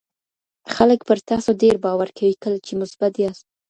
خلګ پر تاسو ډیر باور کوي کله چي مثبت یاست.